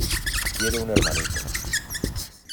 quiere un hermanito.